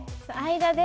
間で。